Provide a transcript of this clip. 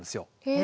え。